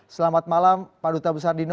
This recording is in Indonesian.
selamat malam pak duta besar dino